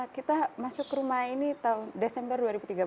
kita masuk rumah ini tahun desember dua ribu tiga belas